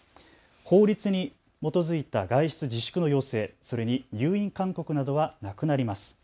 法律に基づいた外出自粛の要請、それに入院勧告などはなくなります。